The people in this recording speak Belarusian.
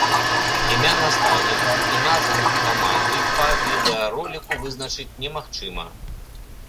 Імя настаўніка і назву каманды па відэароліку вызначыць немагчыма.